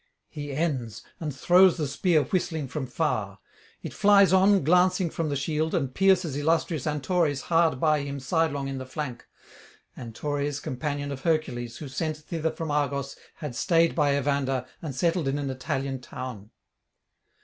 He ends, and throws the spear whistling from far; it flies on, glancing from the shield, and pierces illustrious Antores hard by him sidelong in the flank; Antores, companion of Hercules, who, sent thither from Argos, had stayed by Evander, and [781 814]settled in an Italian town.